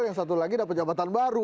yang satu lagi dapat jabatan baru